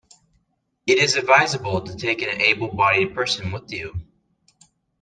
It is advisable to take an able-bodied person with you.